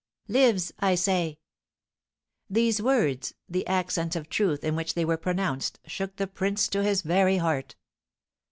"Lives, I say!" These words, the accents of truth in which they were pronounced, shook the prince to his very heart.